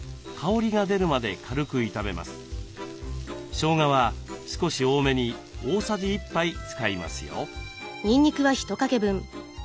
しょうがは少し多めに大さじ１杯使いますよ。